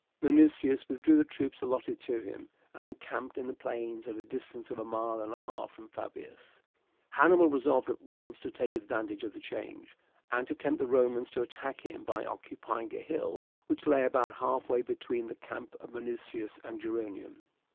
Minucius withdrew the troops allotted to him, and encamped in the plains at a distance of a mile and a half from Fabius. Hannibal resolved at once to take advantage of the change, and to tempt the Romans to attack him by occupying a hill which lay about halfway between the camp of Minucius and Geronium.